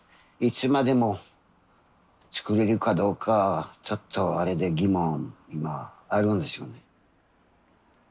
いつまでもつくれるかどうかちょっとあれで疑問今あるんですよね。